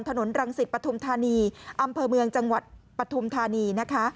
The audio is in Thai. ถนนรังสิตประทุมธนีย์อำเภอเมืองจังหวัดประทุมธานี